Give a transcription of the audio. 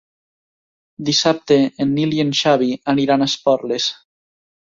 Dissabte en Nil i en Xavi aniran a Esporles.